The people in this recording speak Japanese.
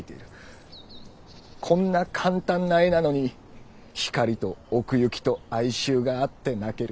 こんな簡単な絵なのに光と奥行きと哀愁があって泣ける。